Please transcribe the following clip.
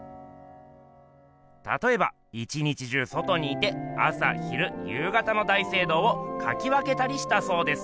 たとえば一日中外にいて朝昼夕方の大聖堂をかき分けたりしたそうです。